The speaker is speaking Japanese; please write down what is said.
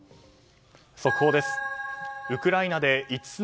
速報です。